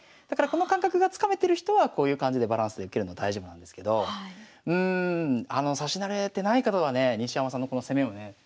だからこの感覚がつかめてる人はこういう感じでバランスで受けるのは大丈夫なんですけどうん指し慣れてない方はね西山さんのこの攻めをね